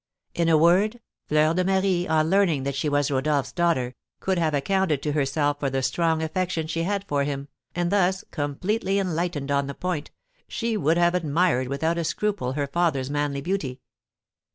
In a word, Fleur de Marie, on learning that she was Rodolph's daughter, could have accounted to herself for the strong affection she had for him, and thus, completely enlightened on the point, she would have admired without a scruple her father's manly beauty.